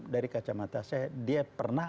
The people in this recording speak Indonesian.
dari kacamata saya dia pernah